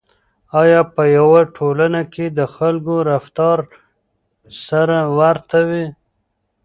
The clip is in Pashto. آیا په یوه ټولنه کې د خلکو رفتار سره ورته وي؟